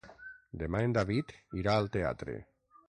Demà en David irà al teatre.